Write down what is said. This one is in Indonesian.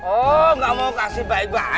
oh gak mau kasih baik baik